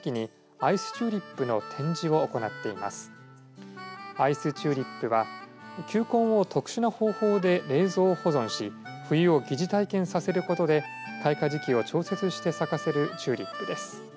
アイスチューリップは球根を特殊な方法で冷蔵保存し冬を疑似体験させることで開花時期を調節して咲かせるチューリップです。